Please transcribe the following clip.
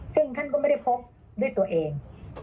ซึ่งท่านก็ไม่ได้พบด้วยตัวเอง